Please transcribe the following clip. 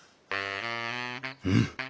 うん？